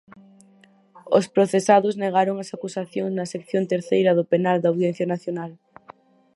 Os procesados negaron as acusacións na sección terceira do Penal da Audiencia Nacional.